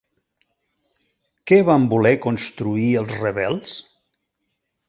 Què van voler construir els rebels?